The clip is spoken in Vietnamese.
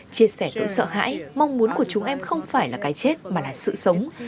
chia sẻ nỗi sợ hãi mong muốn của chúng em không phải là cái chết mà là sự sống